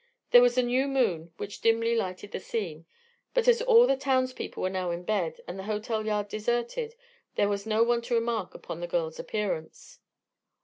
There was a new moon which dimly lighted the scene, but as all the townspeople were now in bed and the hotel yard deserted there was no one to remark upon the girl's appearance.